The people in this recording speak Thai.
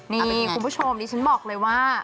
นี่คุณผู้ชมดิฉันบอกเลยว่า